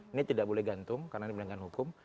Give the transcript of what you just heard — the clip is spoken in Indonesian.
ini tidak boleh gantung karena ini penegakan hukum